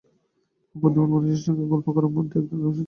খুব বুদ্ধিমান মানুষের সঙ্গে গল্প করার মধ্যেও একধরনের অস্বস্তি থাকে।